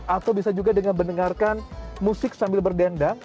atau bisa juga dengan mendengarkan musik sambil berdendang